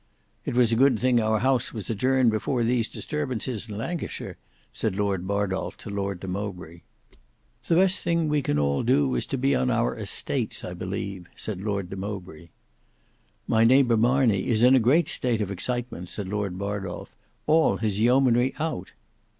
"It was a good thing our House was adjourned before these disturbances in Lancashire," said Lord Bardolf to Lord de Mowbray. "The best thing we can all do is to be on our estates I believe," said Lord de Mowbray. "My neighbour Marney is in a great state of excitement," said Lord Bardolf; "all his yeomanry out."